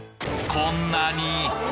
こんなに！？